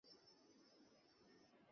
আমি যত টাকা চান আমি দিতে রাজি।